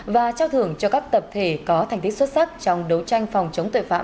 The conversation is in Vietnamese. và trao thưởng cho các tập thể có thành tích xuất sắc trong đấu tranh phòng chống tội phạm